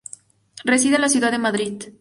Reside en la ciudad de Madrid.